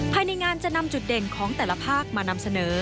ภายในงานจะนำจุดเด่นของแต่ละภาคมานำเสนอ